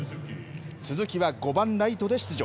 鈴木は５番ライトで出場。